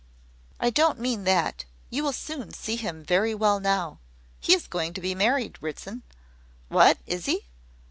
"I don't mean that: you will soon see him very well now. He is going to be married, Ritson " "What, is he?